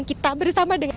kita bersama dengan